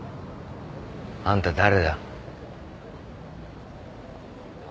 あんた誰だ。